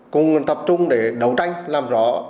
cùng tập trung để đấu tranh làm việc